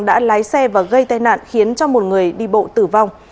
đã lái xe và gây tai nạn khiến cho một người đi bộ tử vong